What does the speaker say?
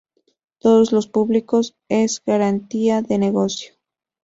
Todos los públicos es garantía de negocio